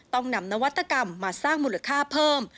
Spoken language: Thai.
ต้องนำนวัตกรรมมาสร้างมูลค่าเพิ่ม